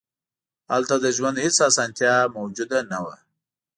هلته د ژوند هېڅ اسانتیا موجود نه وه.